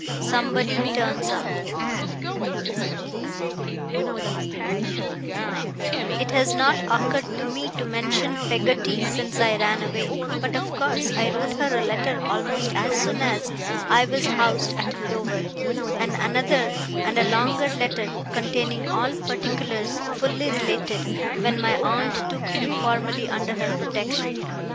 SOMEBODY TURNS UP It has not occurred to me to mention Peggotty since I ran away; but, of course, I wrote her a letter almost as soon as I was housed at Dover, and another, and a longer letter, containing all particulars fully related, when my aunt took me formally under her protection.